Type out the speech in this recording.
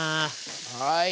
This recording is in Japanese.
はい。